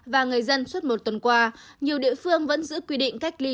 và người dân suốt một tuần qua nhiều địa phương vẫn giữ quy định cách ly